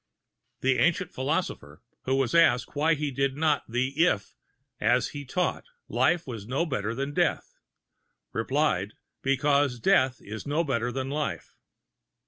The ancient philosopher who was asked why he did not the if, as he taught, life was no better than death, replied: "Because death is no better than life."